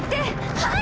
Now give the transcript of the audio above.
はい！